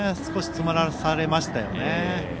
少し詰まらされましたね。